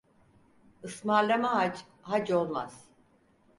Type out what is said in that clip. Ismarlama hac, hac olmaz.